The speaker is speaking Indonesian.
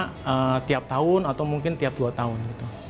setidaknya setiap tahun atau mungkin setiap dua tahun